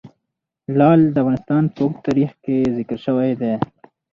لعل د افغانستان په اوږده تاریخ کې ذکر شوی دی.